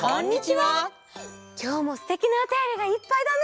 きょうもすてきなおたよりがいっぱいだね！